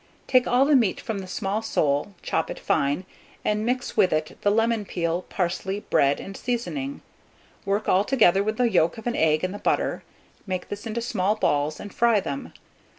Take all the meat from the small sole, chop it fine, and mix with it the lemon peel, parsley, bread, and seasoning; work altogether, with the yolk of an egg and the butter; make this into small balls, and fry them.